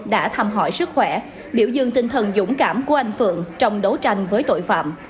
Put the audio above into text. đã thăm hỏi sức khỏe biểu dương tinh thần dũng cảm của anh phượng trong đấu tranh với tội phạm